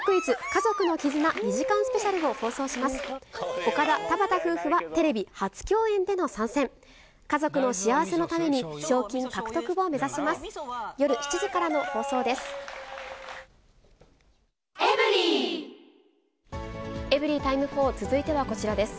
家族の幸せのために、賞金獲得を目指します。